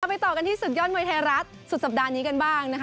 ไปต่อกันที่ศึกยอดมวยไทยรัฐสุดสัปดาห์นี้กันบ้างนะคะ